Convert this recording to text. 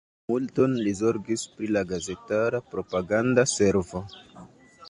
Multon li zorgis pri la gazetara propaganda servo.